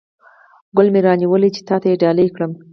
ګل مې را نیولی چې تاته یې ډالۍ کړم